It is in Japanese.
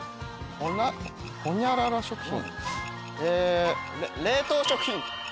ホニャホニャララ食品。